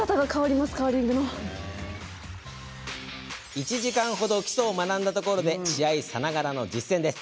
１時間程、基礎を学んだところで試合さながらの実践です。